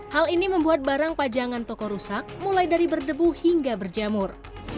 hal ini membuat barang pajangan toko rusak mulai dari berdebu hingga berjamur